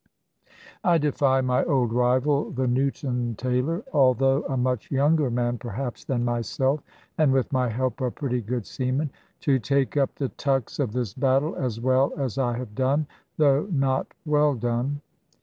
I defy my old rival, the Newton tailor (although a much younger man perhaps than myself, and with my help a pretty good seaman), to take up the tucks of this battle as well as I have done, though not well done.